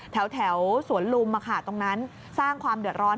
แถวสวนลุมตรงนั้นสร้างความเดือดร้อน